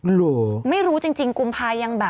เหรอไม่รู้จริงกุมภายังแบบ